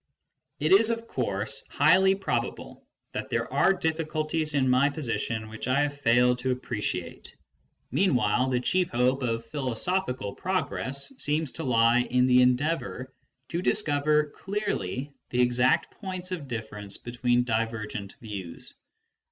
It is, of course, highly probable that there are difficulties in my position which I have failed to appreciate ; meanwhile, the chief hope of philosophical progress seems to lie in the endeavour to dis cover clearly the exact points of difference between divergent views.